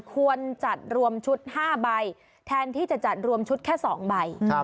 ควรจัดรวมชุด๕ใบแทนที่จะจัดรวมชุดแค่๒ใบ